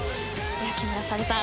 木村沙織さん